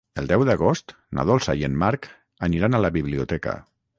El deu d'agost na Dolça i en Marc aniran a la biblioteca.